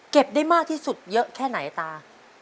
ได้มากที่สุดเยอะแค่ไหนตา